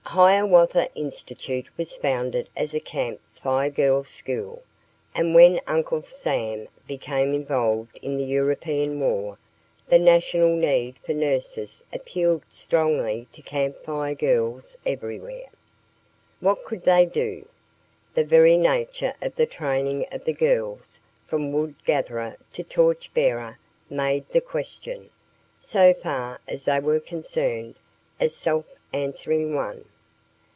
Hiawatha Institute was founded as a Camp Fire Girls' school, and when Uncle Sam became involved in the European war, the national need for nurses appealed strongly to Camp Fire Girls everywhere. What could they do? The very nature of the training of the girls from Wood Gatherer to Torch Bearer made the question, so far as they were concerned, a self answering one.